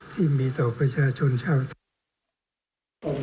ที่มีต่อประชาชนชาวไทย